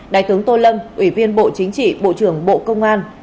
đại tướng tô lâm ủy viên bộ chính trị bộ trưởng bộ công an